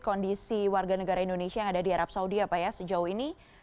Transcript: kondisi warga negara indonesia yang ada di arab saudi ya pak ya sejauh ini